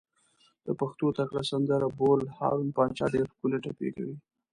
د پښتو تکړه سندر بول، هارون پاچا ډېرې ښکلې ټپې کوي.